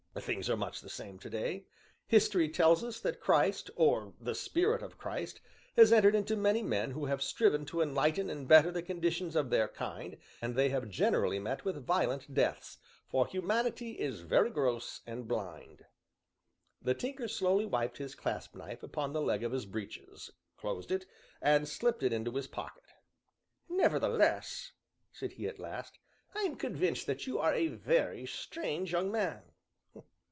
Things are much the same to day. History tells us that Christ, or the spirit of Christ, has entered into many men who have striven to enlighten and better the conditions of their kind, and they have generally met with violent deaths, for Humanity is very gross and blind." The Tinker slowly wiped his clasp knife upon the leg of his breeches, closed it, and slipped it into his pocket. "Nevertheless," said he at last, "I am convinced that you are a very strange young man."